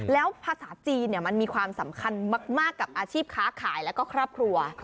แล้วภาษาจีนมันมีความสำคัญมากกับอาชีพค้าขายแล้วก็ครอบครัว